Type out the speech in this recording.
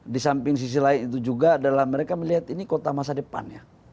di samping sisi lain itu juga adalah mereka melihat ini kota masa depan ya